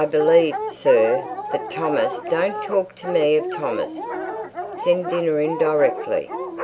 "I believe, sir, that Thomas " "Don't talk to me of Thomas. Send dinner in directly."